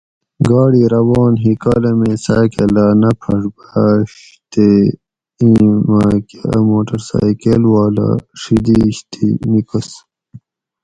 گاڑی روان ھی کالامیں ساۤ کہ لا نہ پھشباۤش تے ایں مائ کہ اۤ موٹر سائکل والا ڛی دیش تھی نِکس